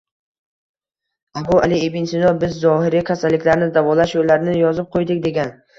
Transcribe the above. Abu Ali ibn Sino: "Biz zohiriy kasalliklarni davolash yo‘llarini yozib qo‘ydik" degan.